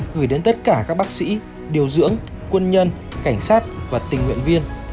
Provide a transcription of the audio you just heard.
gửi đến tất cả các bác sĩ điều dưỡng quân nhân cảnh sát và tình nguyện viên